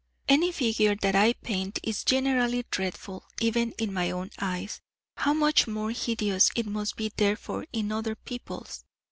Any figure that I paint is generally dreadful even in my own eyes, how much more hideous it must be therefore in other people's!